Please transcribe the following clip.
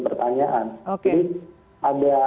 pertanyaan jadi ada